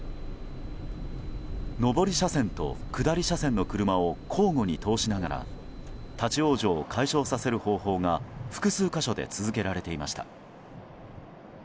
上り車線と下り車線の車を交互に通しながら立ち往生を解消させる方法が複数箇所で続けられていました。